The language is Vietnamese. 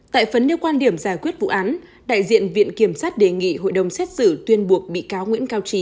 tại phấn nêu quan điểm giải quyết vụ án đại diện viện kiểm sát đề nghị hội đồng xét xử tuyên buộc bị cáo nguyễn cao trí